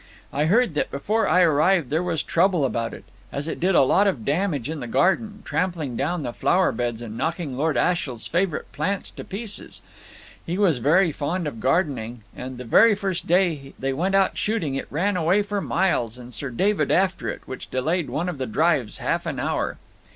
I heard that before I arrived there was trouble about it, as it did a lot of damage in the garden, trampling down the flower beds, and knocking Lord Ashiel's favourite plants to pieces he was very fond of gardening and the very first day they went out shooting it ran away for miles, and Sir David after it, which delayed one of the drives half an hour.